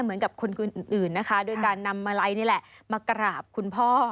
เหมือนกับคนอื่นนะคะโดยการนำมาลัยนี่แหละมากราบคุณพ่อ